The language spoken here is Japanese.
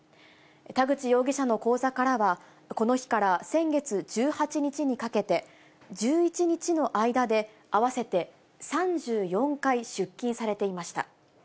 田口容疑者の口座からは、この日から先月１８日にかけて、１１日の間で合わせて３４回出金されていました。